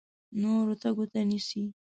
نورو ته ګوته نیسي.